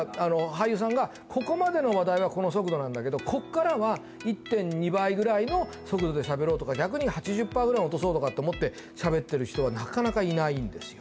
俳優さんがここまでの話題はこの速度なんだけどここからは１．２倍ぐらいの速度で喋ろうとか逆に８０％ぐらい落とそうとかって思って喋ってる人はなかなかいないんですよ